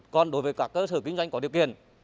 còn đối với các cơ sở kinh doanh có điều kiện